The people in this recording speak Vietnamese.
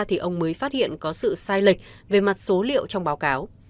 thì ông mới phát hiện có sự sai lệch về mặt số liệu trong báo cáo